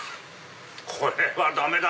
これはダメだ。